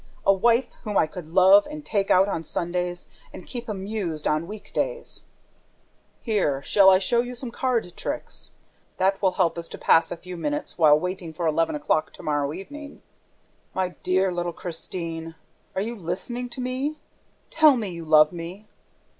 A wife whom I could love and take out on Sundays and keep amused on week days ... Here, shall I show you some card tricks? That will help us to pass a few minutes, while waiting for eleven o'clock to morrow evening ... My dear little Christine! ... Are you listening to me? ... Tell me you love me!